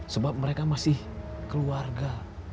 sebab mereka masih keluarga